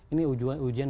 ini ujian berat